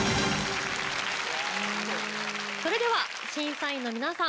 それでは審査員の皆さん